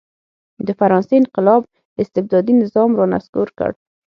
د فرانسې انقلاب استبدادي نظام را نسکور کړ.